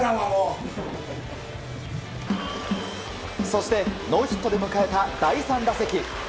そして、ノーヒットで迎えた第３打席。